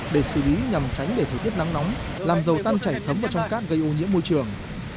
để xử lý nhằm tránh để thời tiết nắng nóng làm dầu tan chảy thấm vào trong cát gây ô nhiễm môi trường